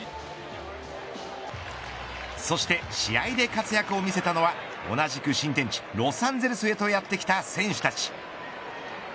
そして試合で活躍を見せたのは同じく新天地、ロサンゼルスへとやって来た選手たち。